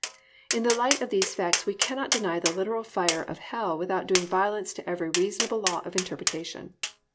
In the light of these facts we cannot deny the literal fire of hell without doing violence to every reasonable law of interpretation.